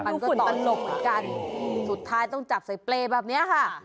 มันก็ตลกเหมือนกันสุดท้ายต้องจับใส่เปรย์แบบนี้ค่ะ